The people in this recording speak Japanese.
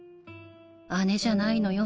姉じゃないのよ